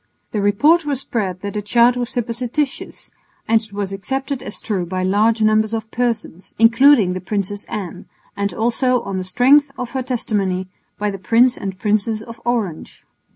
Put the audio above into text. The report was spread that the child was supposititious and it was accepted as true by large numbers of persons, including the Princess Anne, and also, on the strength of her testimony, by the Prince and Princess of Orange.